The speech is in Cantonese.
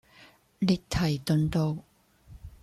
列堤頓道